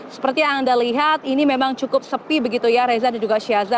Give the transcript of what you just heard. seperti yang anda lihat ini memang cukup sepi begitu ya reza dan juga syaza